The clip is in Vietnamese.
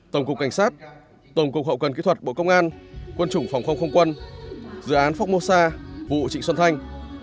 tổng cục cảnh sát tổng cục hậu cần kỹ thuật bộ công an quân chủng phòng không không quân dự án phóc mô sa vụ trịnh xuân thanh